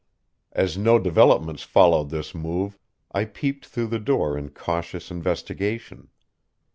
As no developments followed this move, I peeped through the door in cautious investigation.